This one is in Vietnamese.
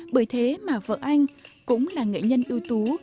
bởi thế mà vợ anh cũng là nghệ nhân ưu tú